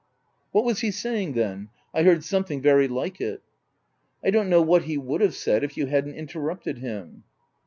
" What was he saying then ? I heard some thing very like it." " I don't know what he would have said, if you hadn't interrupted him.